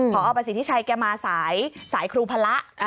พอประสิทธิชัยแกมาสายครูพระ